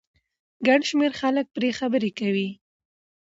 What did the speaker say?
ګن شمېر خلک پرې خبرې کوي